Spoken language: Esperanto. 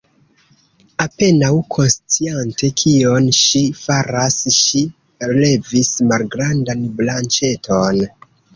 Apenaŭ konsciante kion ŝi faras, ŝi levis malgrandan branĉeton.